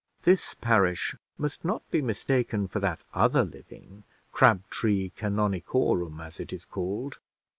This parish must not be mistaken for that other living, Crabtree Canonicorum, as it is called.